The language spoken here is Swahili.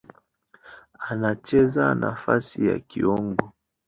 Anacheza nafasi ya kiungo.